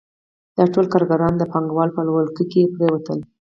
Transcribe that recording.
دا ټول کارګران د پانګوالو په ولکه کې پرېوتل